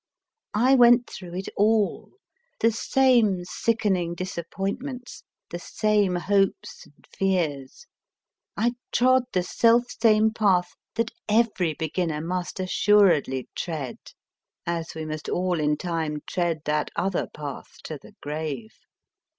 I went through it all ; the same sickening disappointments, the same hopes and fears ; I trod the self same path that every beginner must assuredly tread, as we must all in time tread that other path to the grave.